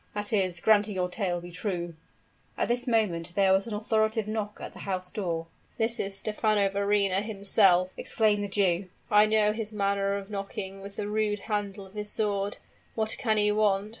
that is, granting your tale to be true " At this moment there was an authoritative knock at the house door. "This is Stephano Verrina himself!" exclaimed the Jew. "I know his manner of knocking with the rude handle of his sword. What can he want?